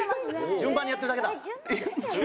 順番にやってるだけだ。